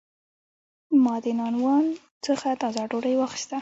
ما د نانوان څخه تازه ډوډۍ واخیسته.